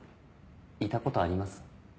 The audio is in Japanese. いたことあります？